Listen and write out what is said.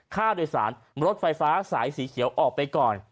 ค่าโดยสารรถไฟฟ้าสายสีเขียวออกไปก่อน